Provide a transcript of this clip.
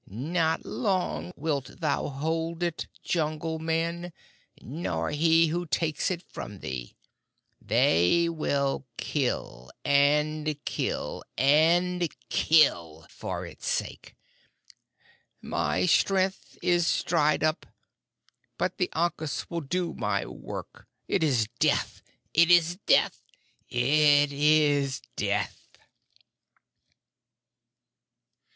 Not long wilt thou hold it, Jungle Man, nor he who takes it from thee. They will kill, and kill, and kill for its sake! My strength is dried up, but the ankus will do my work. It is Death! It is Death! It is Death!"